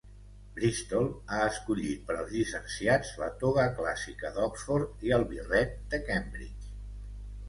Bristol ha escollit per als llicenciats la toga clàssica d'Oxford i el birret de Cambridge.